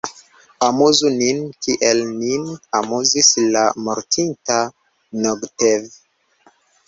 Amuzu nin, kiel nin amuzis la mortinta Nogtev!